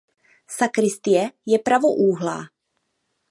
Sakristie je pravoúhlá.